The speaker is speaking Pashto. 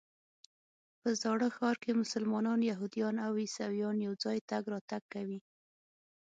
په زاړه ښار کې مسلمانان، یهودان او عیسویان یو ځای تګ راتګ کوي.